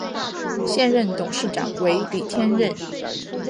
现任董事长为李天任。